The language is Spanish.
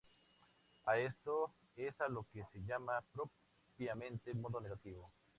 A esto es a lo que se llama propiamente "modo negativo".